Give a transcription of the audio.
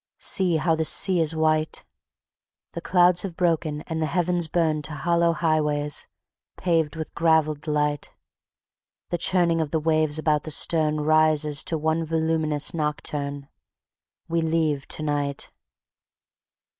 See how the sea is white! The clouds have broken and the heavens burn To hollow highways, paved with gravelled light The churning of the waves about the stern Rises to one voluminous nocturne, ... We leave to night."